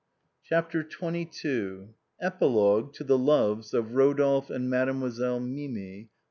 CHAPTER XXII. ■ EPILOGUE TO THE LOVES OF RODOLPHE AND MADEMOISELLE MIMI.